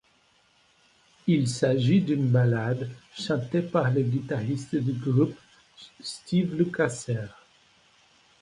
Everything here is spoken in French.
Il s'agit d'une ballade, chantée par le guitariste du groupe, Steve Lukather.